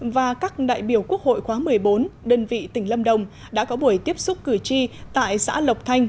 và các đại biểu quốc hội khóa một mươi bốn đơn vị tỉnh lâm đồng đã có buổi tiếp xúc cử tri tại xã lộc thanh